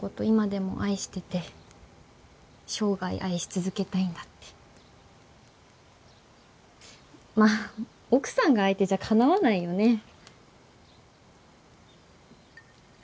今でも愛してて生涯愛し続けたいんだってまあ奥さんが相手じゃかなわないよね